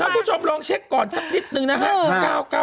แล้วผู้ชมลองเช็กก่อนสักนิดนึงนะฮะ